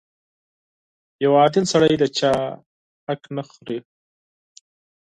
• یو عادل سړی د چا حق نه خوري.